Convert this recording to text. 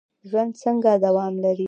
ژوند څنګه دوام لري؟